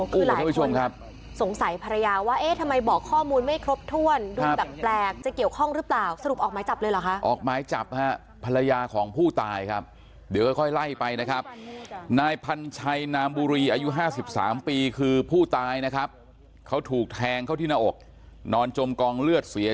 คือหลายคนสงสัยภรรยาว่าเอ๊ะทำไมบอกข้อมูลไม่ครบถ้วนดูแบบแปลกจะเกี่ยวข้องหรือเปล่า